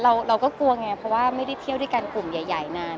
เราก็กลัวไงเพราะว่าไม่ได้เที่ยวด้วยกันกลุ่มใหญ่นาน